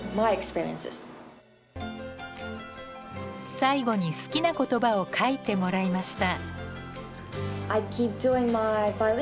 最後に好きな言葉を書いてもらいました。